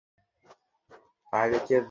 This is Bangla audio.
আবার কেউ কেউ বলেন, তিনি একজন রাসূল ছিলেন।